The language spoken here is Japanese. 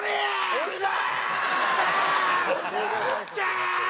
俺だ！